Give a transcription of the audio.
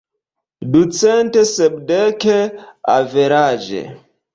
Ducent sepdek, averaĝe.